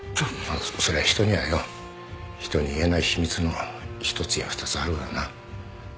そりゃ人にはよ人に言えない秘密の一つや二つあるわな